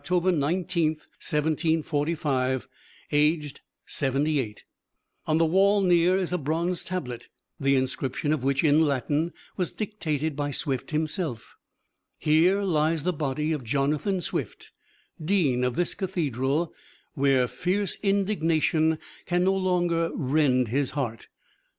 19, 1745 Aged 78 On the wall near is a bronze tablet, the inscription of which, in Latin, was dictated by Swift himself: "Here lies the body of Jonathan Swift, Dean of this Cathedral, where fierce indignation can no longer rend his heart.